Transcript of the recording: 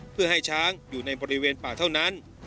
เพื่อให้ช้างอยู่ในบริเวณป่าเท่านั้น